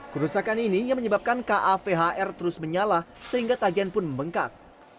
kerusakan ini yang menyebabkan kavhr terus menyala sehingga tagihan pun membengkak